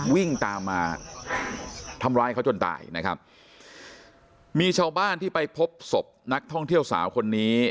วิ่งตามมาทำร้ายเขาจนตายนะครับมีชาวบ้านที่ไปพบศพนักท่องเที่ยวสาวคนนี้